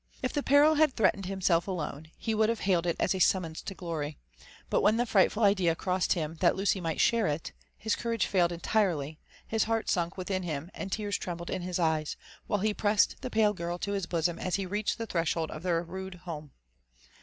If the peril had threatened himself alone, he would have hailed it as a summons to glory ; but when the frightful idea crossed him that Lucy might share it, his courage failed entirely, his heart sunk within him, and tears trembled in his eyes, while he pressed the pale girl to his bosom as he reached the threshold of their own rude home.